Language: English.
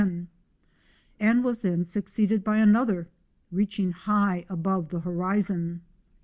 10, and was then succeeded by another " reaching high above the horizon."